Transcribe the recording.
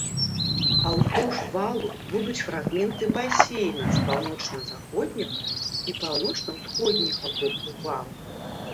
А ўздоўж валу будуць фрагменты басейна з паўночна-заходняга і паўночна-ўсходняга боку вала.